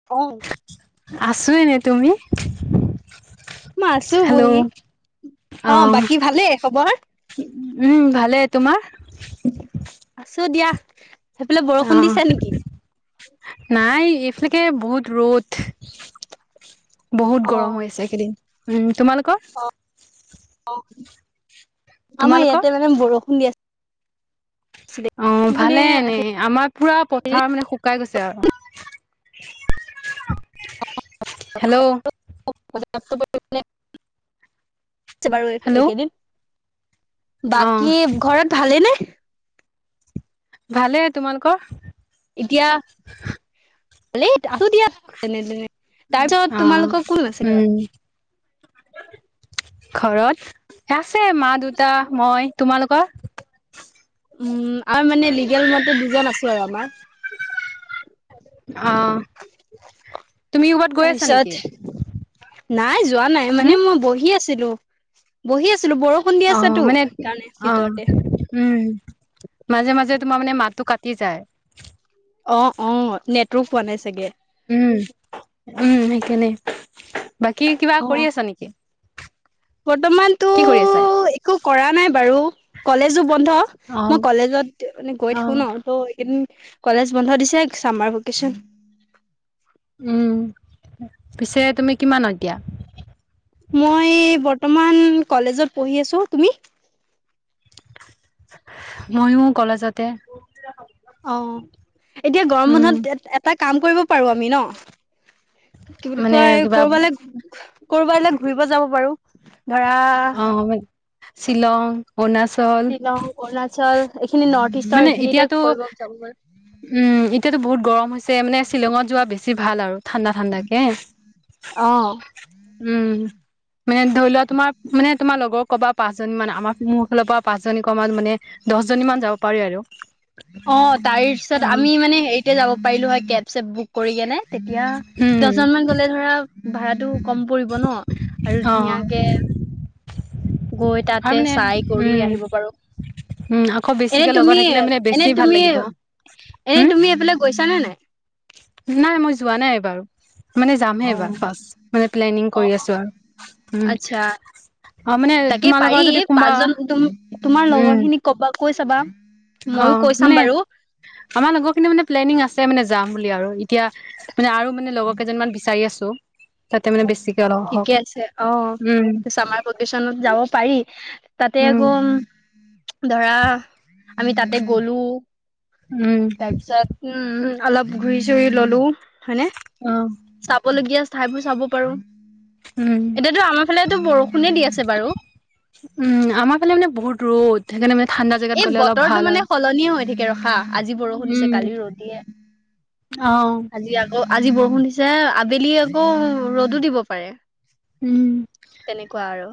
[unintelligible] আছোঁ এনেই, তুমি? মই আছোঁ হেল্ল' বহি, অ' বাকী ভালেই খবৰ? উম, ভালেই তোমাৰ? আছোঁ দিয়া, সেইফালে অ বৰষুণ দিছে নেকি? নাই, এইফালেকে বহুত ৰ'দ। বহুত অ গৰম হৈ আছে এইকেইদিন, উম, তোমালোকৰ অ', আমাৰ তোমালোকৰ ইয়াতে মানে বৰষুণ দি আছে। অ' বুলি ভালে এনে আমাৰ পুৰা পথাৰ মানে শুকাই গৈছে আৰু। হেল্ল'! [inaudible] বাৰু এই এই হেল্ল' কেইদিন। অ বাকী ঘৰত ভালেই নে? ভালেই, তোমালোকৰ? এতিয়া ভালেই আছোঁ দিয়া যেনেতেনে, অ তাৰপিছত তোমালোকৰ কোন আছে ঘৰত? উম ঘৰত, আছে মা, দেউতা, মই, তোমালোকৰ? উম, আমাৰ মানে লিগেল মতে দুজন আছোঁ আৰু আমাৰ। অ'। তুমি ক'ৰবাত গৈ আছা তাৰপিছত নেকি নাই যোৱা নাই মানে হম মই বহি আছিলোঁ, বহি আছিলোঁ, বৰ অ' মানে অ'। উম, মাজে মাজে তোমাৰ মানে মাতটো কাটি যায়। অ' অ' নেটৱৰ্ক পোৱা নাই চাগে। উম, উম, সেইকাৰণে, বাকী কিবা কৰি আছা নেকি? বৰ্তমান তো কি কৰি আছা? একো একো কৰা নাই বাৰু, কলেজো বন্ধ। অ মই কলেজত মানে গৈ অ থাকো ন ত' এইকেইদিন কলেজ বন্ধ দিছে চামাৰ ভেকেচন উম, পিছে তুমি কিমানত এতিয়া? মই বৰ্তমান কলেজত পঢ়ি আছোঁ, তুমি? মইয়ো কলেজতে অ', এতিয়া গৰম উম বন্ধত এটা কাম কৰিব পাৰো আমি ন? কি বুলি মানে কয় কিবা ক'ৰবালৈ ক'ৰবালৈ ঘুৰিব যাব পাৰো? ধৰা অ' আমি শ্বিলং অৰুণাচল শ্বিলং অৰুণাচল এইখিনি নৰ্থ ইষ্টৰ মানে এইখিনিতে এতিয়াতো কৰিব যাব উম, এতিয়াতো বহুত গৰম হৈছে, মানে শ্বিলঙত যোৱা বেছি ভাল আৰু ঠাণ্ডা ঠাণ্ডাকে। পাৰো অ উম, মানে ধৰি লোৱা তোমাৰ মানে তোমাৰ লগৰ ক'বা পাঁচজনী মান, আমাৰ মোৰ ফালৰ পৰা পাঁচজনী ক'ম মানে দহ জনী মান যাব পাৰি আৰু। অ' তাৰ পিছত অ আমি মানে হেৰিতে যাব পাৰিলো হয় কেব চেপ বুক কৰি কিনে। তেতিয়া উম দহজন মান গ'লে ধৰা ভাড়াটো ক'ম পৰিব ন? আৰু অ ধুনীয়াকে গৈ আৰু তাতে মানে চাই কৰি উম আহিব পাৰো। উম আকৌ এনে বেছিকে লগত তুমি থাকিলে মানে বেছি এনেই ভাল তুমি লাগিব এনেই হম তুমি এইফালে গৈছা নে নাই? নাই মই যোৱা নাই এবাৰো। মানে যামহে অ এইবাৰ ফাৰ্ষ্ট, মানে প্লেনিং অ কৰি অ আছো আৰু। আচ্ছা অ মানে তাকে তোমালোকৰ পাৰি, যদি কোনোবা পাঁচজন তোমাৰ তোমাৰ লগৰ উম খিনিক কবা কৈ চাবা। ময়ো অ', কৈ চাম মানে বাৰু আমাৰ লগৰখিনি মানে প্লেনিং আছে মানে যাম বুলি আৰু। এতিয়া মানে আৰু মানে লগৰ কেইজনীমান বিচাৰি আছো। তাতে মানে বেছিকে অলপ হওক ঠিকে আছে অ', উম চামাৰ ভেকেশ্যনত যাব পাৰি। তাতে উম আকৌ ধৰা আমি তাতে গ'লো, উম তাৰপিছত উম, অলপ ঘূৰি চুৰি ল'লো। হয়নে? অ'। বলগীয়া ঠাইবোৰ চাব পাৰো। উম এতিয়াতো আমাৰ ফালে বৰষুণে দি আছে বাৰু। উম, আমাৰ ফালে মানে বহুত ৰ'দ। সেইকাৰণে মানে ঠাণ্ডা জেগাত এই গ'লে অলপ বতৰটো ভাল মানে আৰু সলনিয়ে হৈ থাকে ৰখা। আজি বৰষুণ দিছে উম কালি অ ৰ'দিয়ে আজি আকৌ আজি বৰষুণ দিছে, আবেলি আকৌ ৰ'দো দিব পাৰে। উম, তেনেকুৱা আৰু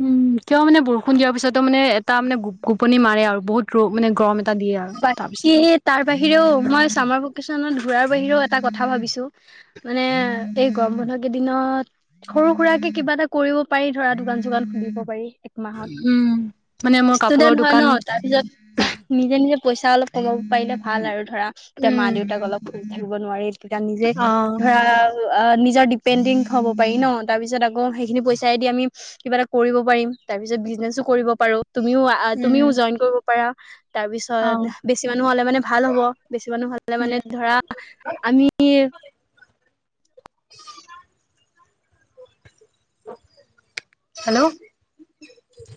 উম, কিয় মানে বৰষুণ দিয়াৰ পিছত ত' মানে এটা মানে গুপ গুপনি মাৰে আৰু বহুত ৰ' মানে গৰম এটা দিয়ে আৰু বাকী তাৰপিছতো তাৰ বাহিৰেও মই চামাৰ ভেকেশ্যচনত ঘূৰাৰ বাহিৰেও এটা কথা ভাবিছো। মানে এই গৰম বন্ধ কেইদিনত সৰু সুৰাৰাকে কিবা এটা কৰিব পাৰি, ধৰা দোকান চোকান খুলিব পাৰি। মাহত, উম মানে মোৰ কাপোৰৰ ষ্টুডেন্ট হয় দোকান ন, তাৰপিছত নিজে, নিজে পইচা অলপ কমাব পাৰিলে ভাল আৰু ধৰা, তে মা উম দেউতাক অলপ থাকিব নোৱাৰি তেতিয়া নিজে অ ধৰা নিজৰ ডিপেণ্ডিং হ'ব পাৰি ন, তাৰ পিছত আকৌ সেইখিনি পইচাই দি আমি কিবা এটা কৰিব পাৰিম। তাৰপিছত বিজনেছো কৰিব পাৰো। তুমিও তুমিও উম জইন কৰিব পাৰা। তাৰপিছত অ বেছি মানুহ হ'লে মানে ভাল হ'ব। বেছি মানুহ হ'লে মানে উম ধৰা আমি হেল্ল'?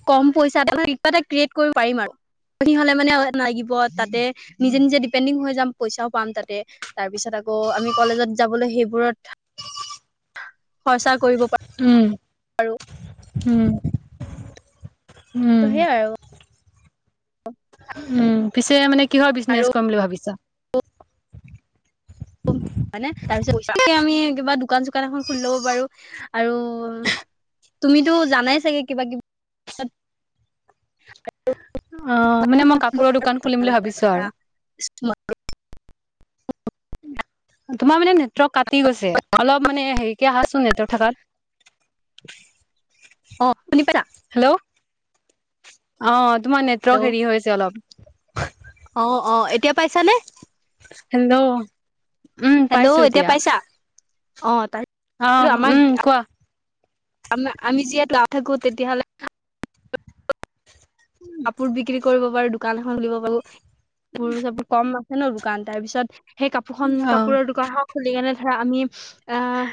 ক'ম পইচাটে কিবা এটা ক্ৰিয়েট কৰিব পাৰিম আৰু। কি হ'লে মানে লাগিব তাতে, নিজে নিজে ডিপেণ্ডিং হৈ যাম পইচাও পাম তাতে। তাৰপিছত আকৌ আমি কলেজত যাবলৈ সেইবোৰত খৰ্চা কৰিব পাৰ উম, উম, উম। ত, সে আৰু। উম, পিছে মানে কিহৰ বিজনেছ আৰু কৰিম বুলি ভাবিছা। হয়নে, তাৰপিছতে আমি কিবা দোকান, চোকান এখন খুলি ল'ব পাৰো। আৰু তুমিতো জানাই চাগে কিবা, কিবি অ, মানে মই কাপোৰৰ দোকান খুলিম বুলি ভাবিছো আৰু। তোমা তোমাৰ মানে নেটৱৰ্ক কাটি গৈছে অলপ মানে হেৰিকে আহাচোন নেটৱৰ্ক থাকাত। অ, শুনি পাইছা হেল্ল' অ, তোমাৰ নেটৱৰ্ক হেল্ল' হেৰি হৈছে অলপ। অ', অ', এতিয়া পাইছানে? হেল্ল' উম, পাইছো হেল্ল' এতিয়া। পাইছা অ, তাক [unintelligible] লো অ', আমাক উম, আ কোৱা আম, আমি যিয়ে তাত থাকো তেতিয়াহ'লে কাপোৰ বিক্ৰী কৰিব পাৰো, দোকান এখন খুলিব পাৰো, কাপোৰ চাপোৰ কম আছে ন, দোকান তাৰপিছত সেই কাপোৰ খন অ', কাপোৰৰ দোকান খন- খুলি কেনে ধৰা আমি আহ,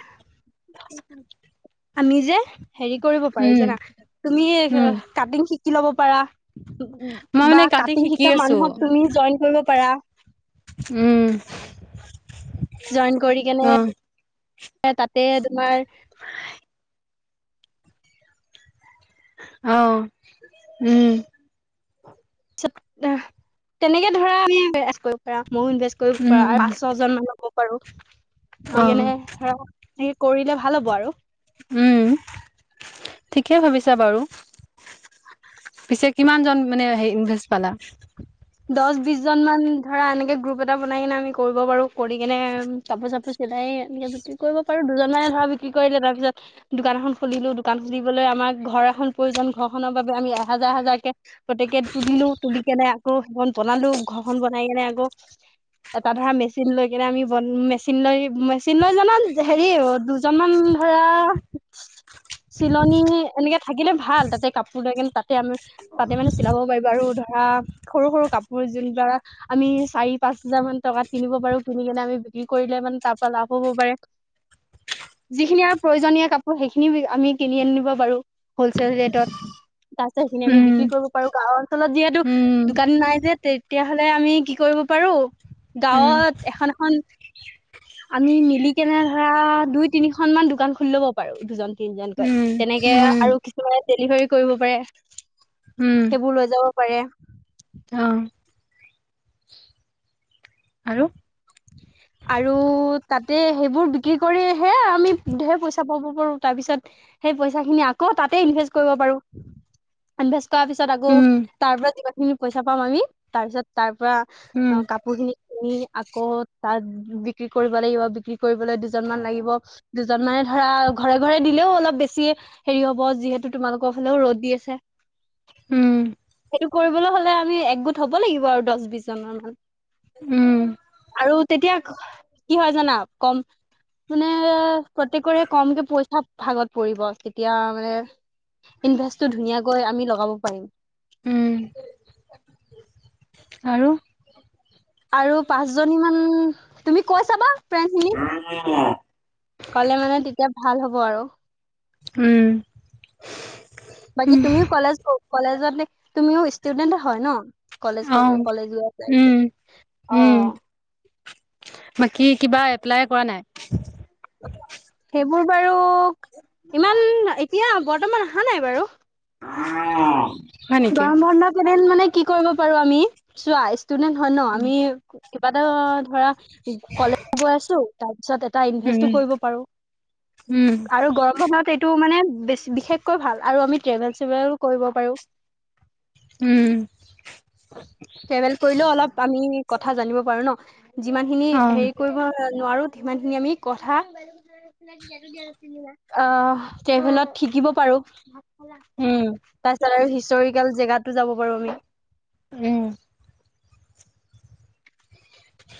আমি যে হেৰি কৰিব পাৰো উম, জানা তুমি এ উম, আ কাটিং শিকি ল'ব পাৰা। মই বা মানে কাটি কাটিং শিকি শিকা আছো মানুহক তুমি জইন কৰিব পাৰা। উম। জইন কৰি কেনে অ', তাতে তোমাৰ। অ', উম' পিছত তেনেকে ধৰা আমি ইভ কৰিব পাৰা মই ইনভেষ্ট কৰিব উম, পাৰা উম, পাছত দুজনমান লব পাৰো লৈ কেনে অ', ধৰা সে কৰিলে ভাল হ'ব আৰু। উম, ঠিকেই ভাবিছা বাৰু। পিছে কিমানজন মানে হেৰি ইনভেষ্ট পালা। দছ বিছজনমান ধৰি এনেকে গ্ৰুপ এটা বনাই আমি কৰিব পাৰোঁ কৰি কেনে কাপোৰ চাপোৰ বনাইয়ে এনেকে বিক্ৰী কৰিব পাৰোঁ দুজনমানে ধৰা বিক্ৰী কৰিলে, তাৰ পিছত দোকান এখন খুলিলোঁ দোকান খুলিবলৈ আমাক ঘৰ এখন প্ৰয়োজন ঘৰখনৰ বাবে আমি এহাজাৰ এহাজাৰ। প্ৰত্যেকে তুলিলো তুলি কেনে আকৌ সেইখন বনালো ঘৰখন বনাই কেনে আকৌ। এটা ধৰা মেচিন লৈ কেনে আমি বন মেচিন লৈ, মেচিন লৈ জনাত হেৰি দুজ জনমান ধৰা। চিলনি এনেকে থাকিলে ভাল তাতে কাপোৰ লৈ কেনে তাতে আমি তাতে মানে চিলাব পাৰিব আৰু ধৰা সৰু সৰু কাপোৰ যোন ধৰা আমি চাৰি-পাঁচ হাজাৰমান টকাত কিনিব পাৰোঁ কিনি কেনে আমি বিক্ৰী কৰিলে তাৰ পৰা লাভ হ'ব পাৰে। [inaudible] যিখিনি আৰু প্ৰয়োজনীয় কাপোৰ, সেইখিনি আমি কিনি আনিব পাৰো হোলচেল ৰেটত। তাৰ পিছত সেখিনি আমি উম, বিক্ৰী কৰিব পাৰোঁ, গাঁৱৰ অঞ্চলত যিহেতু উম, দোকান নাই যে তেতিয়া হ'লে আমি কি কৰিব পাৰোঁ উম, গাঁৱত এখন এখন আমি মিলি কেনে ধৰা দুই তিনিখনমান দোকান খুলি ল'ব পাৰোঁ, দুজন তিনিজনকৈ উম, তেনেকে উম, আৰু কিছুমানে ডেলিভাৰী কৰিব পাৰে উম, সেইবোৰ লৈ যাব পাৰে। [unintelligible] অ', আৰু আৰু তাতে সেইবোৰ বিক্ৰী কৰিয়েই হেয়ে আমি ঢেৰ পইচা পাব পাৰোঁ তাৰ পিছত সেই পইচাখিনি আকৌ তাতেই ইনভেষ্ট কৰিব পাৰোঁ। ইনভেষ্ট কৰাৰ পিছত আকৌ উম, তাৰ পৰা যিমানখিনি পইচা পাওঁ আমি, তাৰ পিছত তাৰ পৰা। উম, অ, কাপোৰ খিনি কিনি, আকৌ তাত বিক্ৰী কৰিব লাগিব, বিক্ৰী কৰিবলৈ দুজনমান লাগিব। দুজনমানে ধৰা, ঘৰে-ঘৰে দিলেও অলপ বেছি হ'ব হেৰি হ'ব, যিহেতু তোমাৰ লোকৰ ফালেও ৰ'দ দি আছে। উম, সেইটো কৰিবলৈ হ'লে আমি একগোট হ'ব লাগিব, আৰু দহ বিছজনমান। উম, আৰু তেতিয়া কি হয় জানা, কম মানে, প্ৰত্যেকৰে কমকৈ পইচা ভাগত পৰিব, তেতিয়া মানে ইনভেষ্টটো ধুনীয়াকৈ আমি লগাব পাৰিম। উম, আৰু! আৰু পাঁচজনীমান তুমি কৈ চাবা, ফ্ৰেণ্ড খিনি। অ'। ক'লে মানে তেতিয়া ভাল হ'ব আৰু। উম। বাকী তুমিও কলেজ, কলেজতেই, তুমি ষ্টুডেণ্টেই হয় ন! কলেজ কৰি, অ', কলেজ উম, [unintelligible] অ। উম, বাকী, কিবা এপ্লাই কৰা নাই? সেইবোৰ বাৰু, ইমান বৰ্তমান এতিয়া অহা নাই বাৰু! হয় নেকি? গৰম বন্ধ কিদিন মানে কি কৰিব পাৰো আমি, চোৱা, ষ্টুডেন্ট হয় ন, আমি কিবা এটা ধৰা, কলেজতো আছোঁ, তাৰ পিছত এটা উম, ইনভেষ্টো কৰিব পাৰোঁ। উম, আৰু গৰম বন্ধত এইটো মানে বিশেষকৈ ভাল, আৰু আমি ট্ৰেভেল-ছেভেলো কৰিব পাৰোঁ। উম। ট্ৰেভেল কৰিলেও অলপ আমি কথাবোৰ জানিবও পাৰোঁ ন! যিমানখিনি অ', হেৰি কৰিব নোৱাৰোঁ সিমানখিনি আমি কথা আহ, ট্ৰেভেলত শিকিব পাৰো। উম, তাৰ পিছত আৰু হিষ্টৰিকেল জেগাতো যাব পাৰোঁ আমি। উম।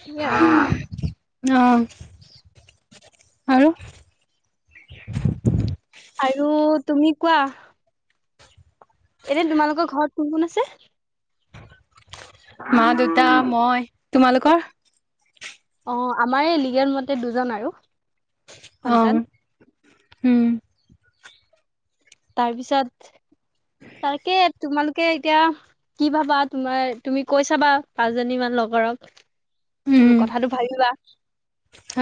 সেইয়ে আৰু অ', আৰু! আৰু তুমি কোৱা? এনে তোমালোকৰ ঘৰত কোন কোন আছে? মা, দেউতা, মই। তোমালোকৰ? অ', আমাৰ এই লিগেল মতে দুজন আৰু। সন্তান অ', উম। তাৰপিছত, তাকে, তোমালোকে এতিয়া কি ভাবা? তোমাৰ, তুমি কৈ চাবা, পাঁচজনী মান লগৰক। উম, কথাটো ভাবিবা।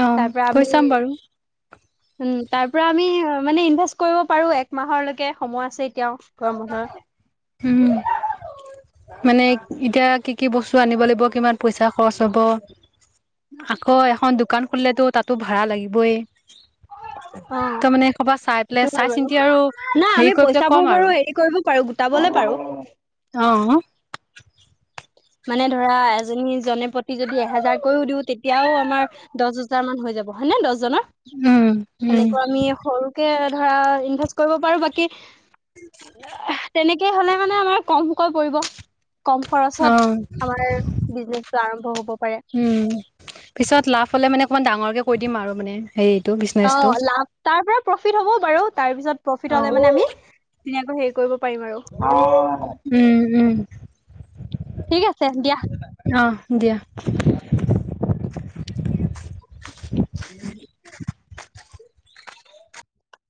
অ', তাৰ পৰা কৈ আমি চাম বাৰু। উম, তাৰ পৰা আমি মানে ইনভেষ্ট কৰিব পাৰো। এক মাহৰলৈকে সময় আছে এতিয়াও গৰম বন্ধৰ। উম। মানে এতিয়া কি কি বস্তু আনিব লাগিব, কিমান পইচা খৰচ হ'ব। আকৌ এখন দোকান খুলিলেতো তাতো ভাড়া লাগিবই। অ', তাৰ মানে [unintelligible] চাই সেইটো পেলাই হয় বাৰু। চাই-চিন্তি আৰু নাই আমি হেৰি কৰি পেলাই পইচাবোৰ কম বাৰু আৰু। হেৰি কৰিব পাৰো, গোটাবলে পাৰো। অ', মানে ধৰা, এজনী জনে প্ৰতি যদি এহেজাৰকৈও দিওঁ তেতিয়াও আমাৰ দহ হাজাৰ মান হৈ যাব হয় নে দহজনৰ? উম। উম, সেনেকুৱা আমি সৰুকে ধৰা ইনভেষ্ট কৰিব পাৰোঁ বাকী তেনে কে হ'লে মানে আমাৰ কমকৈ পৰিব। কম খৰচত অ'। আমাৰ বিজনেচটো আৰম্ভ হ'ব পাৰে। উম পিছত লাভ হ'লে মানে অকমান ডাঙৰকে কৈ দিম আৰু মানে। সেইটো বিচ অ', লাভ তাৰ পৰা প্ৰফিট হ'ব বাৰু তাৰপিছত প্ৰফিট অ হ'লে মানে আমি ধুনিয়াকৈ হেৰি কৰিব পাৰিম আৰু। অ', উম, উম। ঠিক আছে দিয়া। অ', দিয়া। [inaudible]